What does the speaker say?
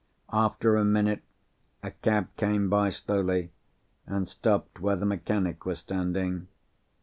After a minute, a cab came by slowly, and stopped where the mechanic was standing.